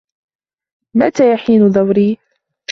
متى يحين دوري؟